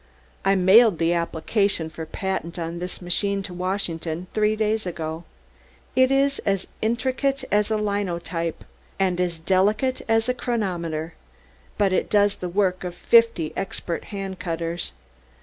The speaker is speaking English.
I mailed the application for patent on this machine to Washington three days ago. It is as intricate as a linotype and delicate as a chronometer, but it does the work of fifty expert hand cutters.